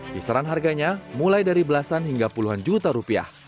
kisaran harganya mulai dari belasan hingga puluhan juta rupiah